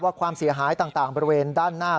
ความเสียหายต่างบริเวณด้านหน้า